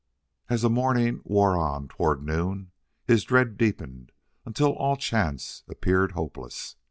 And as the morning wore on toward noon his dread deepened until all chance appeared hopeless.